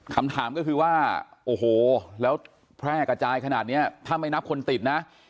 คำถามก็คือว่าโอ้โหแล้วแพร่กระจายขนาดนี้ถ้าไม่นับคนติดนะ